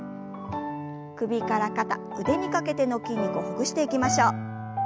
首から肩腕にかけての筋肉をほぐしていきましょう。